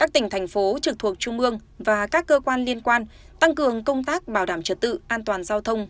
tỉnh thành phố trực thuộc trung mương và các cơ quan liên quan tăng cường công tác bảo đảm trật tự an toàn giao thông